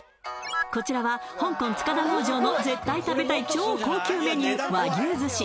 こちらは香港塚田農場の絶対食べたい超高級メニュー和牛寿司